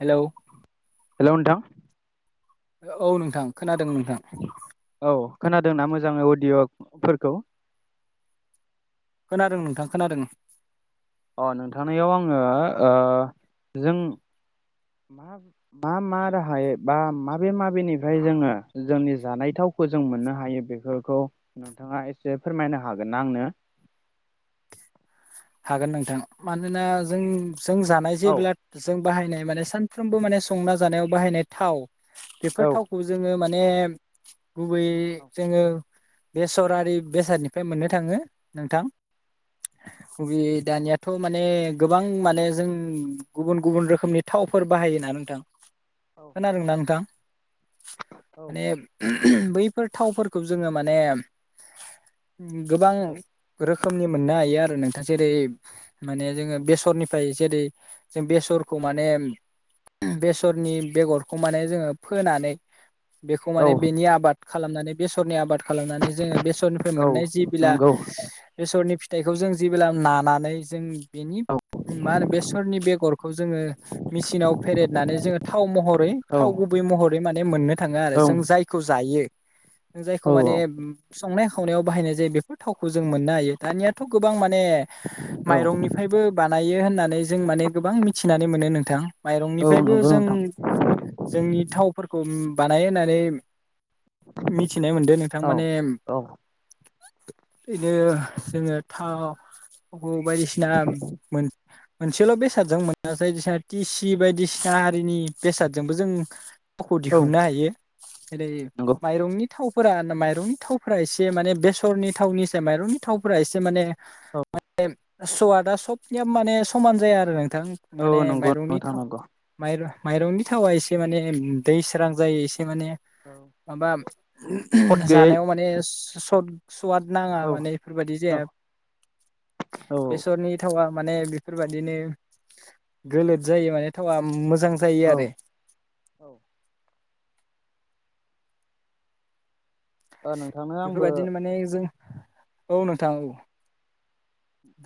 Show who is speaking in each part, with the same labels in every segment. Speaker 1: Hello
Speaker 2: hello नोंथां
Speaker 1: औ नोंथां खोनादों नोंथां
Speaker 2: औ खोनादोंना मोजाङै अदिय'फोरखौ
Speaker 1: खोनादों नोंथां खोनादों
Speaker 2: अ नोंथांनिआव आङो जों मा मा राहाय बा माबे माबेनिफ्राय जोङो जोंनि जानाय थावखौ जों मोननो हायो बेफोरखौ नोंथाङा एसे फोरमायनो हागोन ना आंनो?
Speaker 1: हागोन नोंथां मानोना जों जों जानाय जे
Speaker 2: औ
Speaker 1: बिला जों बाहायनाय माने सानफ्रोमबो माने संना जानायाव बाहायनाय थाव बेफोर
Speaker 2: औ
Speaker 1: थावखौ जोङो माने एम गुबैयै
Speaker 2: औ
Speaker 1: जोङो बेसरारि बेसादनिफ्राय मोननो थाङो नोंथां बबे दानियाथ' माने गोबां माने जों गुबुन गुबुन रोखोमनि थावफोर बाहायोना नोंथां।
Speaker 2: औ
Speaker 1: खोनादों ना नोंथां?
Speaker 2: औ
Speaker 1: माने बैफोर थावफोरखौ जोङो माने गोबां रोख रोखोमनि मोननो हायो आरो नों जेरै माने जोङो बेसरनिफ्राय जेरै जों बेसरखौ माने बेसरनि बेगरखौ माने जोङो फोनानै बेखौ
Speaker 2: औ
Speaker 1: माने बेनि आबाद खालामनानै बेसरनि आबाद खालामनानै जोङो बेसरनिफ्राय
Speaker 2: औ
Speaker 1: मोननाय जि बिला
Speaker 2: नंगौ
Speaker 1: बेसरनि फि दैखौ जों जेबोब्ला नानानै जों बेनि
Speaker 2: औ
Speaker 1: मा होनो बेसरनि बेगरखौ जोङो मेचिनाव फेरेदनानै जोङो थाव महरै
Speaker 2: औ
Speaker 1: थाव गुबै महरै माने मोननो थाङो आरो
Speaker 2: औ
Speaker 1: जों जायखौ जायो। जायखौ
Speaker 2: औ
Speaker 1: माने संनाय खावनायाव बाहायनाय जायो बे थावखौ जों मोननो हायो दानियाथ' गोबां बां माने माइरंनिफ्रायबो बानायो होननानै जों माने गोबां मिथिनानै मोनो नोंथां
Speaker 2: औ
Speaker 1: माइरंनिफ्रायबो
Speaker 2: नंगौ
Speaker 1: जों
Speaker 2: नोंथां
Speaker 1: जोंनि थावफोरखौ बानायो होननानै मिथिनाय मोनदों नोंथां
Speaker 2: औ
Speaker 1: माने
Speaker 2: औ
Speaker 1: बिदिनो जोंङो थाव अ बायदिसिना मोन मोनसेल बेसादजों मोना जायदिसिना टिसि बायदिसिना आरिनि बेसादजोंबो जों थावखौ
Speaker 2: औ
Speaker 1: दिहुननो हायो। एरै
Speaker 2: नंगौ
Speaker 1: माइरंनि थावफोरा माइरंनि थावफोरा एसे माने बेसरनि थावनिसाय माइरंनि थावफोरा एसे से माने
Speaker 2: औ
Speaker 1: सवादा सबनिया माने समान जाया आरो। नोंथां
Speaker 2: औ
Speaker 1: माने
Speaker 2: नंगौ
Speaker 1: माइरंनि
Speaker 2: नोंथां
Speaker 1: थाव
Speaker 2: नंगौ
Speaker 1: माइरं माइरंनि थावा एसे माने दैस्रां जायो एसे माने माबा
Speaker 2: खद गैयै
Speaker 1: जानायाव माने सर्ट सुवाद नाङा
Speaker 2: औ
Speaker 1: माने बेफोरबायदि
Speaker 2: औ
Speaker 1: जाया।
Speaker 2: औ
Speaker 1: बेसरनि थावा माने बेफोरबायदिनो गोलोद जायो माने थावा मोजां मोजां जायो
Speaker 2: औ
Speaker 1: आरो
Speaker 2: औ ओ नोंथांनो आंबो
Speaker 1: बेफोरबायदिनो माने जों औ नोंथां औ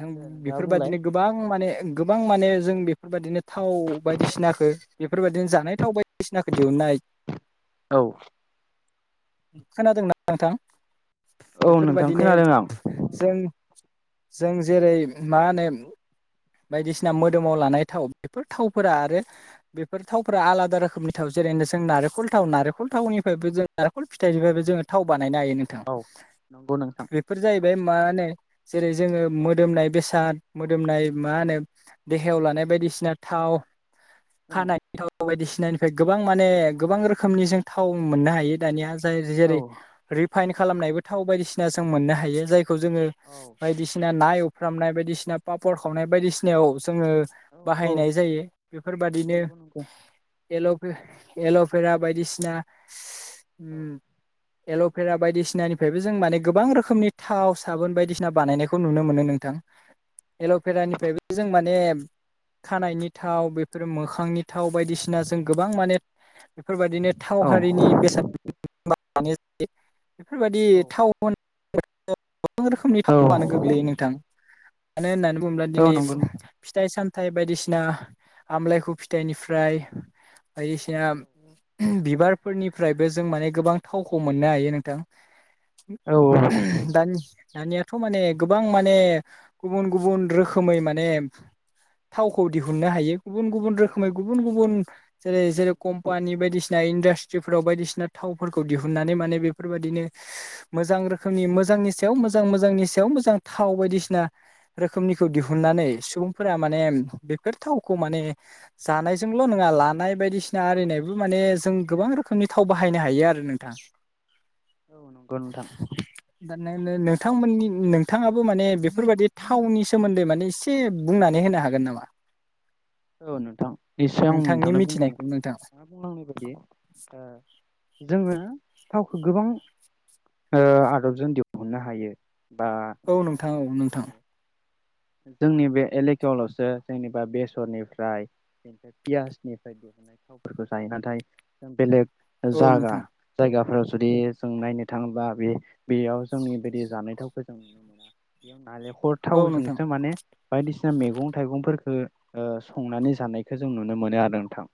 Speaker 1: नां
Speaker 2: दे नोंथाङा बुंलाय
Speaker 1: बेफोरबायदिनो गोबां माने गोबां माने जों बेफोरबायदिनो थाव बायदिसिनाखो बेफोरबायदिनो जानाय थाव बायदिसिनाखो दिहुननो हायो
Speaker 2: औ
Speaker 1: खोनादों ना? नोंथां
Speaker 2: औ नोंथां
Speaker 1: बेफोरबादिनो
Speaker 2: खोनादों आं
Speaker 1: जों जों जेरै मा होनो बायदिसिना मोदोमाव लानाय थाव बेफोर थावफोरा आरो बेफोर थावफोरा आलादा रोखोमनि थाव जेरैनो जों नारेंखल थाव नारेंखल थावनिफ्रायबो जों नारेंखल फिथाइनिफ्रायबो जोङो थाव बा नायनो हायो नोंथां
Speaker 2: औ नंगौ नोंथां
Speaker 1: बेफोर जाहैबाय बे मा ने जेरै जोङो
Speaker 2: औ
Speaker 1: मोदोमनाय बेसाद मोदोम नाय मा
Speaker 2: औ
Speaker 1: नो देहायाव लानाय बायदिसिना थाव
Speaker 2: औ
Speaker 1: खानायथ बायदिसिनानिफ्राय गोबां माने गोबां रोखोमनि जों थाव मोननो हायो दानिया जाय
Speaker 2: औ
Speaker 1: जेरै रि फाइन खालामनायबो थाव बायदिसिना जों मोननो हायो जाय जोङो
Speaker 2: औ
Speaker 1: बायदिसिना ना एव फामनाय बायदिसिना पापर खावनाय बायदिसिनायाव जोङो
Speaker 2: औ औ
Speaker 1: बाहायनाय जायो। बेफोरबादिनो
Speaker 2: नंगौ नंगौ
Speaker 1: एल' एल'बेरा बायदिसिना
Speaker 2: औ
Speaker 1: उम एल'बेरा बायदिसिनानिफ्रायबो जों माने गोबां रोखोमनि थाव साबोन बायदिसिना बानायनायखौ नुनो मोनो नोंथां एल'बेरानिफ्रायबो जों माने खानायनि थाव बेफोरो मोखांनि थाव थाव बायदिसिना
Speaker 2: औ
Speaker 1: जों गोबां माने बेफोरबायाददिनो थाव
Speaker 2: औ नंगौ
Speaker 1: हारिनि
Speaker 2: नोंथां औ
Speaker 1: बेसाद मानि [unintelligible] बेफोरबायदि टाउन गोबां रोखोमनि फावनो गोग्लैयो नोंथां मानो होननानै बुङोब्ला ब दिनै फिथाइ साम फिथाय बायदिसिना आमलायखु फिथाइनिफ्राय बायदिसिना बिबारफोरनिफ्रायबो जों माने गोबां थावखौ मोननो हायो नोंथां
Speaker 2: औ औ
Speaker 1: दानि दानियाथ' माने गोबां माने गुबुन गुबुन रोखोमै माने थावखौ दिहुननो हायो गुबुन गुबुन रोखोमै गुबुन गुबुन जेरै जेरै कम्पानि बायदिसिना [unintelligible] इन्डास्ट्रिफोराव बायदिसिना थाव थावफोरखौ दिहुननानै माने बेफोरबायदिनो मोजां रोखोमनि मोजांनि सायाव मोजां मोजांनि सायाव मोजां थाव बायदिसिना रोखोमनिखौ दिहुननानै सुबुंफोरा माने बेफोर थावखौ माने जानायजोंल' नङा लानाय बायदिसिना आरिनायबो माने जों गोबां रोखोमनि थाव बाहायनो हायो आरो। नोंथां
Speaker 2: औ नंगौ नोंथां
Speaker 1: दा नोंथांमोननि नोंथाङाबो माने बेफोरबायदि थावनि सोमोन्दै माने एसे बुंनानै होनो हागोन नामा
Speaker 2: औ नोथां निस्सय आं
Speaker 1: नोंथांनि
Speaker 2: नोंथाङानो
Speaker 1: मिथिनायखौ नोंथां
Speaker 2: [unintelligible] मा बुंलांनाय बादि ओ जोङो थावखौ गोबां ओ आदबजों दिहुननो हायो। बा
Speaker 1: औ
Speaker 2: नोंथाङा
Speaker 1: नोंथां
Speaker 2: बुंनाय
Speaker 1: औ
Speaker 2: बायदि
Speaker 1: नोंथां
Speaker 2: जोंनि जोंनि बे एलेकायावल'सो जेनेबा बेसरनि फ्राय [unintelligible] पियासनिफ्राय दिहुननाय थावफोरखौ जायो नाथाय जों बेलेग
Speaker 1: औ
Speaker 2: जागा
Speaker 1: नोंथां
Speaker 2: जायगाफोराव जुदि जों नायनो थाङोबा बे बेयाव जोंनि बादि जानायथावखौ जों [unintelligible] [unintelligible]
Speaker 1: औ नोंथां
Speaker 2: थावजोंसो माने बायदिसिना मेगं थाइगंफोरफोरखो ओ संनानै जानायखौ जों नुनो मोनो आरो नोंथां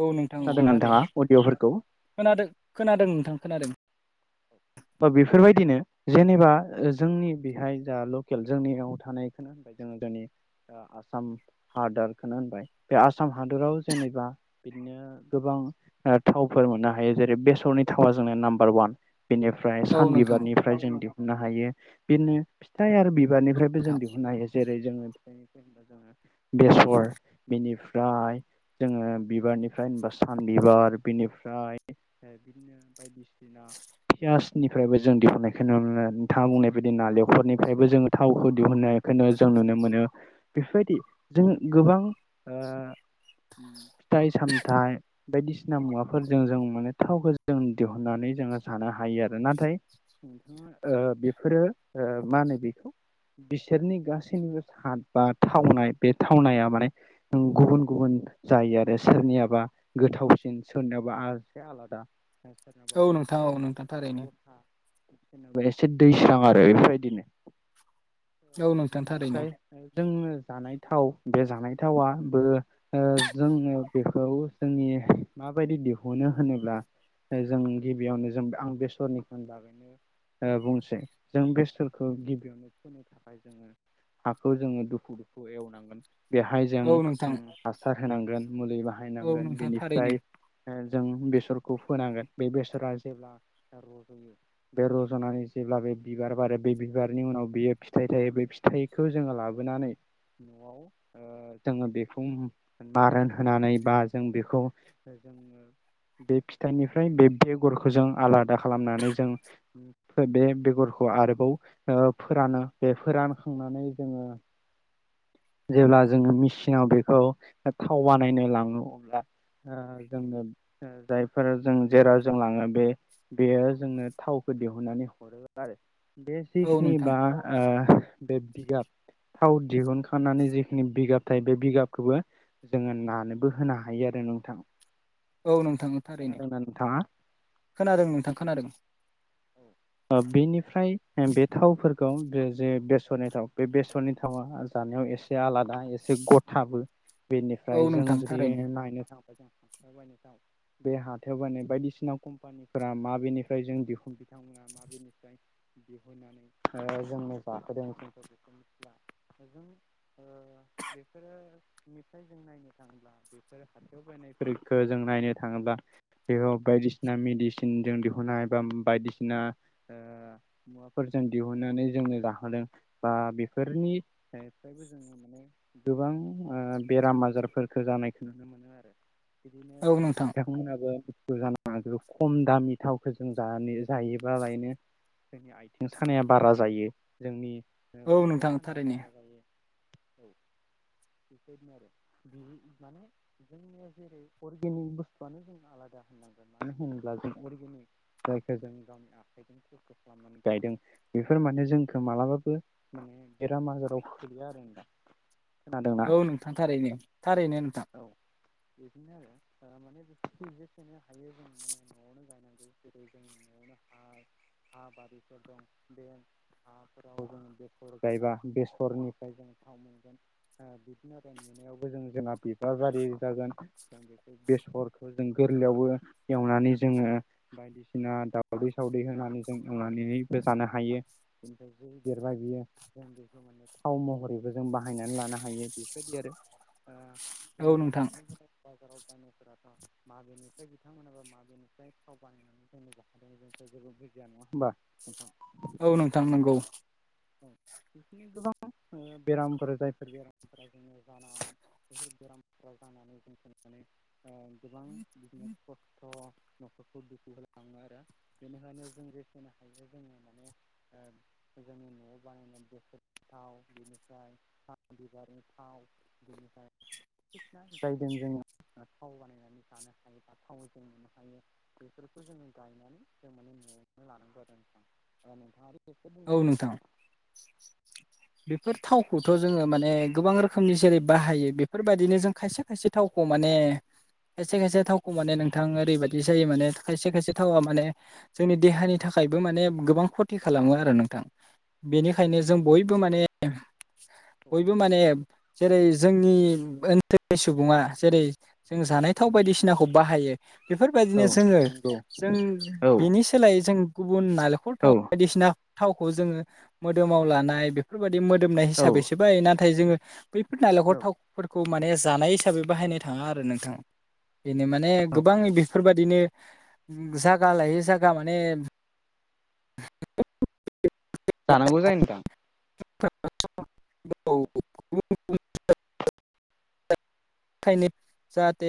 Speaker 1: औ नोंथां औ
Speaker 2: खोनादों नोंथाङा
Speaker 1: थारैनो
Speaker 2: अडिअ'फोरखौ
Speaker 1: खोनादों-खोनादों नोंथां खोनादों
Speaker 2: बा बेफोरबायदिनो जेनेबा जोंनि बेहाय जा लकेल जोंनियाव थानायखौनो होनबाय जोङो जोंनि आसाम हादरखौनो होनबाय बे आसाम हादराव जेनेबा बिदिनो गोबां थावफोर मोननो हायो जेरै बेसरनि थावा जोंना नाम्बार वान बेनिफ्राय
Speaker 1: औ नोंथां
Speaker 2: सानबिबारनिफ्राय जों दिहु ना हायो बेनो फिथाय आरो बि बिबारनिफ्रायबो जों
Speaker 1: नोंथां
Speaker 2: दिहुननो हायो जेरै जोङो [unintelligible] बेसर बिनिफ्राय ओमफ्राय जोङो बिबारनिफ्राय होनबा सान बिबार बिनिफ्राय बिदिनो बायदिसिना पियासनिफ्रायबो जों दिहुननायखौ नुनो मोनो नोंथाङा बुंनाय बायदि नालेंखरनिफ्रायबो जोङो थावखौ दिहुननायखौनो जों नुनो मोनो बेफोरबायदि जों गोबां ओ फिथाय सामथाय बायदिसिना मुवाफोरजों जों माने थावखौ जों दिहुननानै जोङो थानो हायो आरो नाथाय ओ बेफोरो ओ मा होनो बेखौ बिसोरनि गासैबो साद बा थावनाय बे थावनाया माने गुबुन-गुबुन जायो आरो सोरनियाबा गोथावसिन सोरनियाबा आ एसे आलादा सोरनाबा
Speaker 1: औ नोंथां औ नोंथां थाररैनो
Speaker 2: जेनेबा एसे दैस्रां आरो बेफोरबायदिनो
Speaker 1: औ नोंथां थारैनो
Speaker 2: बेनिफ्राय जोङो जानाय थाव बे जानाय थावा बो ओ जोङो बेखौ जोंनि माबायदि दिहुनो होनोब्ला जों गिबियावनो जों आं बेसरनिखौ बागैनो बुंसै जों बेसरखौ गिबियावनो फोननो थाखाय जोङो हाखौ जोङो दुफु- दुफु एवनांगोन बेहाय जों
Speaker 1: औ नोंथां
Speaker 2: हासार होनांगोन मुलि
Speaker 1: औ
Speaker 2: बाहायनांगोन
Speaker 1: नोंथां थारैनो
Speaker 2: बेनिफ्राय ओ जों बे बेसरखौ फोनांगोन बे बेसरा जेब्ला रज'यो बे रज'नानै जेब्ला बे बिबार बारो बे बिबारनि उनाव बेयो फिथाइ थायो बे फि थाइखौ जोङो लाबोनानै न'आव ओ जोङो बेखौ मारोन होनानै बा जों बेखौ जोङो बे फिथाइनिफ्राय बे बेगरखौ जों आलादा खालामनानै जों बे बेगरखौ आरोबाव फोरानो बे फोरान खांनानै जोङो जेब्ला जोङो मेसिनाव बेखौ थाव बानायनो लाङो अब्ला ओ जोंनो जायफोर जों जेराव जों लाङो बे बेयो जोंनो थावखौ दिहुननानै हरो आरो
Speaker 1: औ
Speaker 2: बेसिक्सनि
Speaker 1: नोंथां
Speaker 2: बा बे बिगाब थाव दिहुनखनानै जिखिनि बिगाब थायो बे बिगाबखौबो जोङो नानोबो होनो हायो आरो नोंथां।
Speaker 1: औ नों ओं थारैनो
Speaker 2: खोनादोंना नोंथाङा?
Speaker 1: खोनादों नोंथां। खोनादों।
Speaker 2: ओ बेनिफ्राय ओ बे थावफोर खाव बे जे बेसरनि थाव बे बेसरनि थावा ओ जानायाव एसे आलादायै एसे गथाबो।
Speaker 1: औ
Speaker 2: बेनिफ्राय जों
Speaker 1: नोंथां
Speaker 2: जुदि
Speaker 1: थारैनो
Speaker 2: नायनो थां ओ थां खुलुमबाय नोंथां बे हाथायाव बायनाय बायदिसिना कम्पानिफोरा माबेनिफ्राय जों दिहुन बिथांमोना माबेनिफ्राय दिहुननानै जोंनो जाहोदों जोंखौ बेखौ मिथिला जों ओ बेफोरो मेथाइ जों नायनो थाङोब्ला बेफोर हाथायाव बायनायफोरखो जों नायनो थाङोब्ला बेयाव बायदिसिना मिदिसिन जों दिहुन्नो हायो एबा बायदिस ना ओ मुवाफोरजों दिहुननानै जों लाखादों बा बेफोरनि हायफोरबो जोङो माने गोबां ओ बेराम आजारफोरखो जानायखो नुनो मोनो आरो बिदिनो
Speaker 1: औ नोंथां
Speaker 2: नोंथांमोनाबो ओ जानो हागो खम दामि थावखौ जों जानोस जायोबालायनो जोंनि आइथें सानाया बारा जायो जोंनि ओ
Speaker 1: औ
Speaker 2: खर'
Speaker 1: नोंथां
Speaker 2: सानाया
Speaker 1: थारैनो
Speaker 2: बारा जायो। औ बेबायदिनो आरो बे उम माने जोंनिया जेरै अर्गेनिक बुस्थुआनो जों आलादा होननांगोन मानो होनोब्ला जों अर्गेनिक जाय ओ जों गावनि आखाइजों खुरख' खालामनानै गायदों बेफोर माने जोंखौ मालाबाबो माने बेराम आजाराव खोयो आरो दा
Speaker 1: औ नोंथां थारैनो थारैनो नोंथां।
Speaker 2: औ उम बेसेनो हायो जों माने न'आवनो गायनानै [unintelligible] जों न'आवनो हा हा बारिफोर दं बे हाफोराव जों बेसर गायबा बेसरनिफ्राय जों थाव मोनगोन ओ बिदिनो बें नुनायावबो जों जोंना बिबार बारि जागोन जों बेखो बेसरखो जों गोरलैयावबो एवनानै जोङो बायदिसि सिना दावदै सावदै होनानै जों एवनानैबो जानो हायो बेनिफ्राय जि देरबाय बियो जों बेखौ माने थाव महरैबो जों बाहायनानै लानो हायो बेबायदि आरो ओ
Speaker 1: औ
Speaker 2: जोंना
Speaker 1: नोंथां
Speaker 2: हाथायफोराव बाजाराव नायनायफोराथ' माबेनिफ्राय बिथांमोनाबो माबेनिफ्राय थाव बानायनानै जोंङो दाखालिनिफ्राय जेबो बुजिया नङा होमबा नोंथां?
Speaker 1: औ नोंथां नोंगौ।
Speaker 2: औ बिदिनो गोबां ओ बेरामफोर जायफोर बेरामफोरा जोङो जानाङामोन बेफोर बेरामफोर जानानै जोंखौ नाय ओ गोबां बिदिनो खस्थ' न'खरखो दुखु होलां थाङो आरो बेनिखायनो जों रेस होनो हायो जोंङो माने ओ जोंनि न'आव बानायनाय बेसरनि थाव बेनिफ्राय सान बिबारनि थाव बेनिफ्राय बायदिसिना जायजों जोङो थाव बानायनानै जानो हायो बा थाव जों नुनो हायो बेफोर खौ जोङो गायनानै जों माने न'आवनो लानांगौ आरो नोंथां ओ नोंथाङाबो इसे
Speaker 1: औ
Speaker 2: बुंबावदो?
Speaker 1: नोंथां बेफोर थावखौथ' जोङो माने गोबां रोखोमनि जेरै बाहायो बेफोरबायदिनो जों खायसे खायसे थावखौ माने खायसे खायसे थावखौ
Speaker 2: औ
Speaker 1: माने नोंथां ओरैबाद दि जायो माने खायसे खायसे थावा माने जोंनि देहानि थाखायबो माने गोबां खथि खालामो आरो नोंथां।
Speaker 2: औ
Speaker 1: बेनिखायनो जों
Speaker 2: नंगौ
Speaker 1: बयब फो
Speaker 2: नोंथां
Speaker 1: माने
Speaker 2: औ
Speaker 1: बयबो माने जेरै जोंनि ओन थोनि
Speaker 2: औ
Speaker 1: सुबुङा जेरै जों जानाय थाव बायदिसिनाखौ बाहायो। बेफोरबायदिनो
Speaker 2: औ। औ
Speaker 1: जोङो
Speaker 2: नंगौ
Speaker 1: जों
Speaker 2: औ
Speaker 1: बेनि सोलायै जों गुबुन नालेखर
Speaker 2: औ
Speaker 1: थाव बायदिसिना थावखौ जोङो मोदोमाव लानाय बे फोरबादि। दि मोदोमनाय हिसाबैसो
Speaker 2: औ
Speaker 1: बाहायो ना थाय जोङो बैफोर नालेंखर थावफोरखौ माने जानाय हिसाबै बाहायनो थाङा आरो नोंथां। बेनो माने
Speaker 2: औ
Speaker 1: गोबां इदि फोरबादिनो जागा लायै जागा माने
Speaker 2: जानांगौ जायो नोंथां।
Speaker 1: [unintelligible] खायनो जाहाथे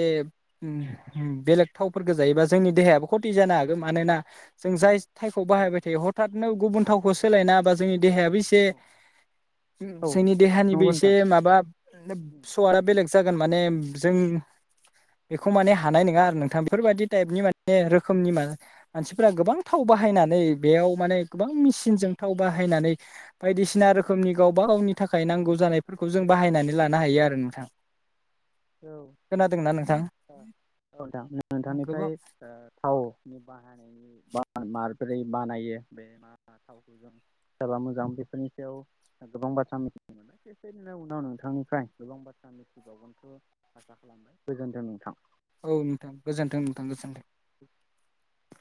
Speaker 1: बेलेग थावफोरखौ जायोबा जोंनि देहायाबो खथि जानो हागौ मानोना जों जाय थाइखौ
Speaker 2: औ
Speaker 1: बाहायबाय थायो हद साननो गुबुन थावखौ सोलायना बा जोंनि देहायाबो इसे
Speaker 2: औ औ। औ
Speaker 1: जोंनि देहानिबो
Speaker 2: नंगौ
Speaker 1: एसे
Speaker 2: नोंथां।
Speaker 1: माबा सवारा बेलेग गों माने जों बेखौ माने हानाय नङा आरो नोंथां बेफोरबायदि टाइपनि मान ने रोखोमनि मा मानसिफोरा गोबां थाव बाहायनानै बेयाव माने गोबां मेसिनजों थाव बाहायनानै बायदिसिना रोखोमनि गावबा गावनि थाखाय नांगौ जानायफोरखौ जों बाहायनानै लानो हायो आरो नोंथां।
Speaker 2: औ ओ
Speaker 1: खोनादोंना नोंथां
Speaker 2: औ नोंथां
Speaker 1: गोबां
Speaker 2: नोंथांनिफ्राय ओ थावनि बानायनायनि मा माबोरै बानायो बे मा थावखौ जों सोराबा मोजां बेफोरनि सायाव गोबां बाथ्रा मिथिनो मोनबाय सबेबादिनो उनाव नोंथांनिफ्राय गोबां बाथ्रा मिथिबावगोन। खौ आसा खालामबाय गोजोन्थों नोंथां।
Speaker 1: औ नोंथां गोजोनथों नोंथां गोजोनथों।
Speaker 2: [inaudible]